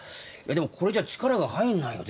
でもこれじゃ力が入んないよ